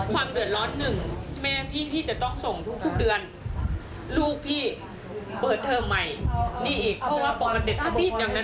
มันจะเป็นเมื่อนหมื่นสองหมื่น